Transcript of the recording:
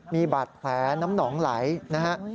มีบัตรแผนน้ำหนองไหลนะครับ